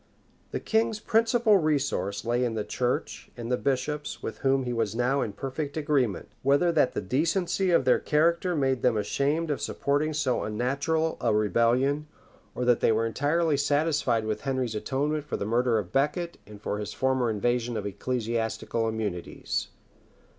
] The king's principal resource lay in the church and the bishops with whom he was now in perfect agreement; whether that the decency of their character made them ashamed of supporting so unnatural a rebellion, or that they were entirely satisfied with Henry's atonement for the murder of Becket and for his former invasion of ecclesiastical immunities.